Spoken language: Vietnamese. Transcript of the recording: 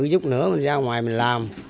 giúp nữa mình ra ngoài mình làm